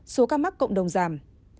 số ca mắc cộng đồng giảm